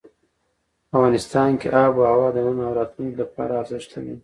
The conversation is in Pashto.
افغانستان کې آب وهوا د نن او راتلونکي لپاره ارزښت لري.